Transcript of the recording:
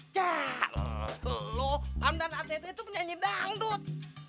yah lo hamdan att itu penyanyi dangdut